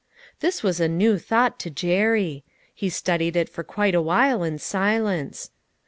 This was a new thought to Jerry. He studied it for awhile in silence.